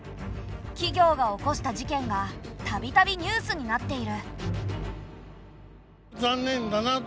企業が起こした事件がたびたびニュースになっている。